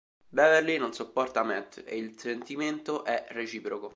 Beverly non sopporta Matt e il sentimento è reciproco.